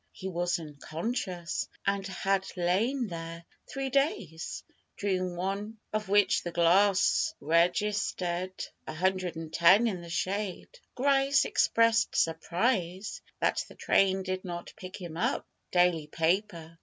He was unconscious, and had lain there three days, during one of which the glass registed 110 in the shade. Grice expressed surprise that the train did not pick him up.' Daily paper.